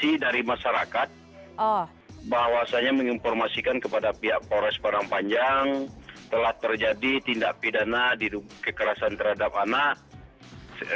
informasi dari masyarakat bahwasannya menginformasikan kepada pihak polres pandang panjang telah terjadi tindak pidana di kekerasan terhadap anak